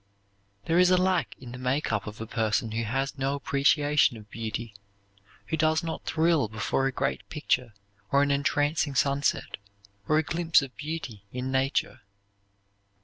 There is a lack in the make up of a person who has no appreciation of beauty, who does not thrill before a great picture or an entrancing sunset, or a glimpse of beauty in nature.